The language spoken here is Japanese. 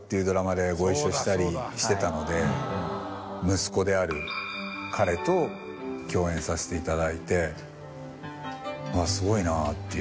息子である彼と共演させていただいて「すごいな」っていう。